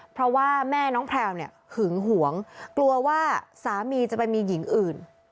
เพราะว่าแม่น้องแพลวเนี่ยหึงหวงกลัวว่าสามีจะไปมีหญิงอื่น